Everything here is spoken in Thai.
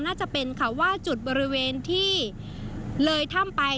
น่าจะเป็นค่ะว่าจุดบริเวณที่เลยถ้ำไป